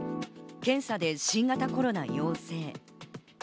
検査で新型コロナ陽性。